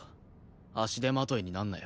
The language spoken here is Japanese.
足手まといになんなよ。